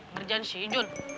kerjaan si jun